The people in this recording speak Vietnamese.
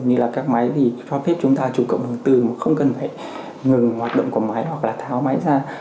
như là các máy cho phép chúng ta chụp cộng hướng tư không cần phải ngừng hoạt động của máy hoặc là tháo máy ra